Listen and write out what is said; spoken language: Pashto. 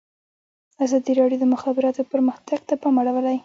ازادي راډیو د د مخابراتو پرمختګ ته پام اړولی.